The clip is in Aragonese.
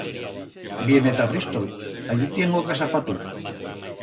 Viene ta Bristol, allí tiengo casa pa tu.